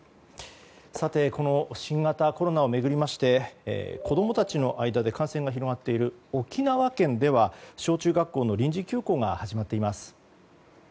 さてこの新型コロナを巡りまして子供たちの間で感染が広がっている沖縄県では小中学校の臨時休校が始まっています。